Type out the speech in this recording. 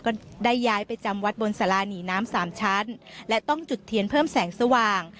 ก็ได้ย้ายไปจำวัดบนสาราหนีน้ำสามชั้นและต้องจุดเทียนเพิ่มแสงสว่าง